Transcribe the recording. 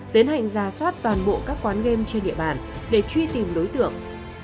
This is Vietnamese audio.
tiến hành ra soát toàn bộ các quán game trên địa bàn để truy tìm đối tượng